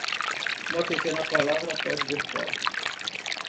Uma pequena palavra pode derrubá-lo.